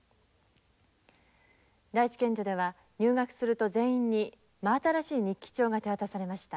第一県女では入学すると全員に真新しい日記帳が手渡されました。